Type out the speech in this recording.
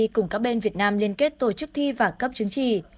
cùng các bên việt nam liên kết tổ chức thi và cấp chứng chỉ